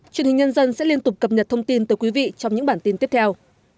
truyền hình nhân dân sẽ liên tục cập nhật thông tin từ quý vị trong những bản tin tiếp theo